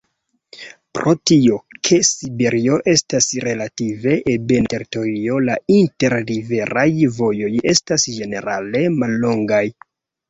Pro tio, ke Siberio estas relative ebena teritorio, la inter-riveraj vojoj estas ĝenerale mallongaj.